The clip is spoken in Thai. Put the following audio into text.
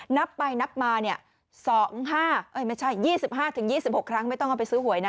นับไปนับมา๒๕ถึง๒๖ครั้งไม่ต้องเอาไปซื้อหวยนะ